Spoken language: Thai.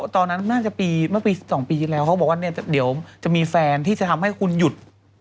ตอนนั้นน่าจะปีเมื่อปี๒ปีที่แล้วเขาบอกว่าเดี๋ยวจะมีแฟนที่จะทำให้คุณหยุด